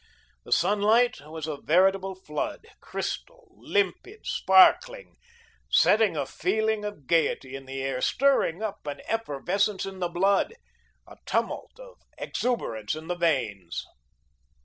The sunlight was a veritable flood, crystal, limpid, sparkling, setting a feeling of gayety in the air, stirring up an effervescence in the blood, a tumult of exuberance in the veins.